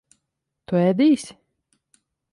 Tu ēdīsi?